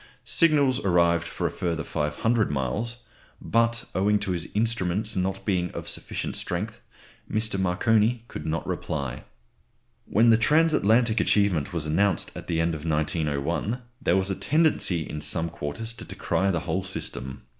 Signals arrived for a further 500 miles, but owing to his instruments not being of sufficient strength, Mr. Marconi could not reply. When the transatlantic achievement was announced at the end of 1901, there was a tendency in some quarters to decry the whole system.